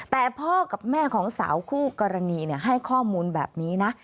แต่พ่อกับแม่ของสาวคู่กรณีให้ข้อมูลแบบนี้นะ